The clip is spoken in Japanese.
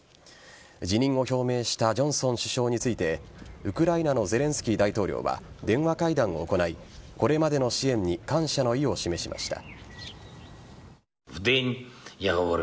辞任を表明したジョンソン首相についてウクライナのゼレンスキー大統領は電話会談を行いこれまでの支援に感謝の意を示しました。